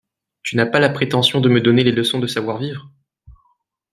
Tu n'as pas la prétention de me donner les leçons de savoir-vivre ?